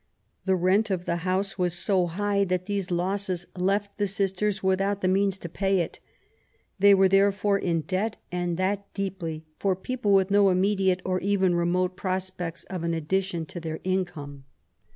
The rent of the house was so high that these losses left the sisters without the means to pay it. They were therefore in debt, and that deeply, for people with no immediate, or even remote, prospects of an addition to their income.